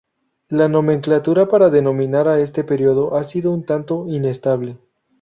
La nomenclatura para denominar a este período ha sido un tanto inestable.